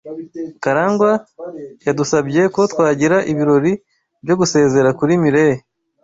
Karangwa yadusabye ko twagira ibirori byo gusezera kuri Mirelle.